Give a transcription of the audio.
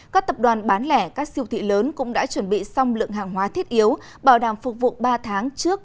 các tập đoàn bán lẻ các siêu thị lớn cũng đã chuẩn bị xong lượng hàng hóa thiết yếu bảo đảm phục vụ ba tháng trước